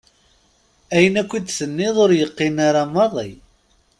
Ayen akka i d-tenniḍ ur yeqqin ara maḍi!